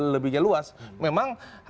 lebihnya luas memang